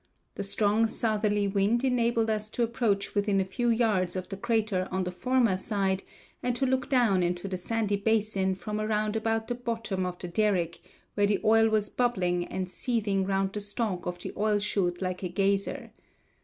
The strong southerly wind enabled us to approach within a few yards of the crater on the former side and to look down into the sandy basin from around about the bottom of the derrick, where the oil was bubbling and seething round the stalk of the oil shoot like a geyser.